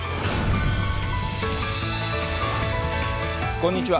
こんにちは。